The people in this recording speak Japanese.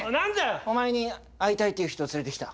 お前に会いたいっていう人を連れてきた。